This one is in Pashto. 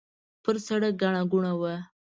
پر سړک ګڼه ګوڼه وه.